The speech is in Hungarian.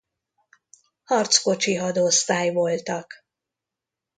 Harckocsi Hadosztály voltak.